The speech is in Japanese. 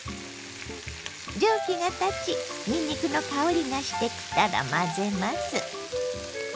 蒸気が立ちにんにくの香りがしてきたら混ぜます。